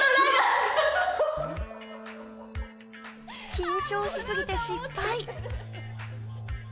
緊張しすぎて失敗。